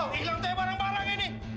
hilang teh barang barang ini